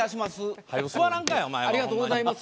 ありがとうございます。